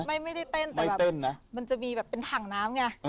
ไม่ได้เต้นแต่แบบมันจะมีแบบเป็นถังน้ำไง